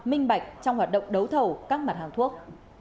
minh bạch trong hoạt động đấu thầu các mặt hàng thuốc